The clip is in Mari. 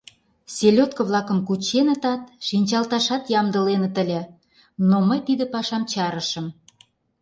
Селёдко-влакым кученытат, шинчалташат ямдыленыт ыле, но мый тиде пашам чарышым.